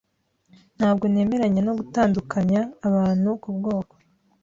Ntabwo nemeranya no gutandukanya abantu kubwoko.